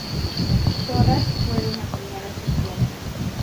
Todas fueron acuñadas en cobre.